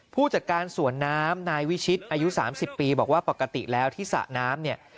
ผู้จัดการสวนน้ำนายวิชิตอายุ๓๐ปีบอกว่าปกติแล้วที่สระน้ำเนี่ย